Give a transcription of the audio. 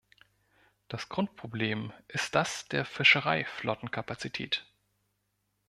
Das Grundproblem ist das der Fischereiflottenkapazität.